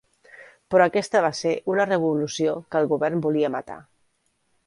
Però aquesta va ser una revolució que el govern volia matar.